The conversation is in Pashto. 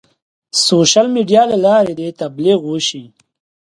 سوشیل میډیا له لارې د تبلیغ وشي.